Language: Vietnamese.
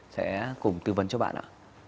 sẽ cùng tư vấn cho bạn ạ